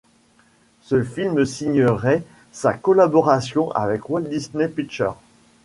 Ce film signerait sa collaboration avec Walt Disney Pictures.